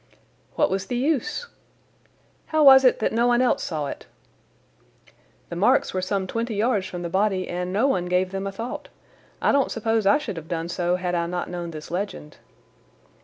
"What was the use?" "How was it that no one else saw it?" "The marks were some twenty yards from the body and no one gave them a thought. I don't suppose I should have done so had I not known this legend."